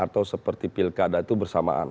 atau seperti pilkada itu bersamaan